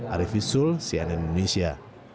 arief isul cnn indonesia